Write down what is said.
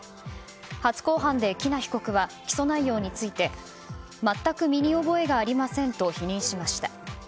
初公判で喜納被告は起訴内容について全く身に覚えがありませんと否認しました。